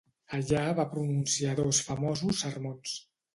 Allà va pronunciar dos famosos sermons.